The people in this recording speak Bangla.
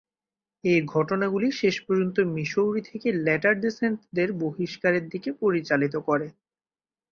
এই ঘটনাগুলি শেষ পর্যন্ত মিসৌরি থেকে ল্যাটার ডে সেন্টদের বহিষ্কারের দিকে পরিচালিত করে।